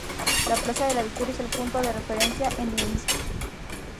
La plaza de la Victoria es el punto de referencia en Minsk.